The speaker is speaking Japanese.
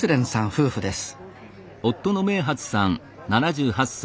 夫婦です